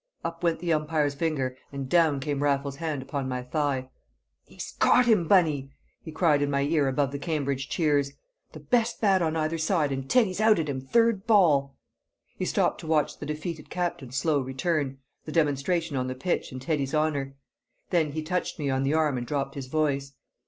Up went the umpire's finger, and down came Raffles's hand upon my thigh. "He's caught him, Bunny!" he cried in my ear above the Cambridge cheers. "The best bat on either side, and Teddy's outed him third ball!" He stopped to watch the defeated captain's slow return, the demonstration on the pitch in Teddy's honour; then he touched me on the arm and dropped his voice.